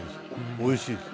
おいしいです。